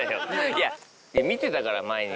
いや見てたから前に。